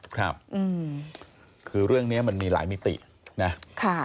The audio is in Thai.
ครับคือเรื่องนี้มันมีหลายมิตินะค่ะ